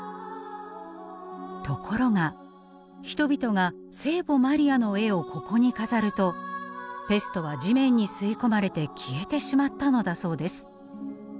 ところが人々が聖母マリアの絵をここに飾るとペストは地面に吸い込まれて消えてしまったのだそうです。